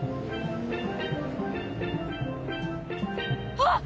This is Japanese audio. あっ！